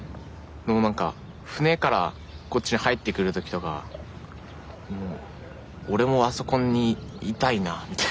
その何か船からこっちに入ってくる時とか俺もあそこにいたいなみたいな。